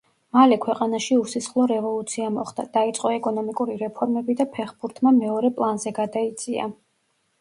მალე ქვეყანაში უსისხლო რევოლუცია მოხდა, დაიწყო ეკონომიკური რეფორმები და ფეხბურთმა მეორე პლანზე გადაიწია.